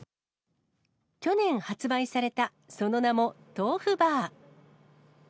去年発売されたその名もトウフバー。